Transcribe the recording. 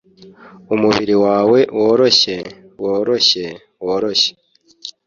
umubiri wawe woroshye, woroshye, woroshye